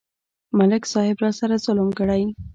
ملک صاحب راسره ظلم کړی.